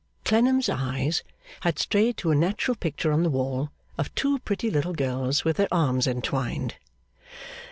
Clennam's eyes had strayed to a natural picture on the wall, of two pretty little girls with their arms entwined.